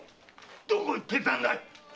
どこ行ってたんだい